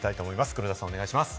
黒田さん、お願いします。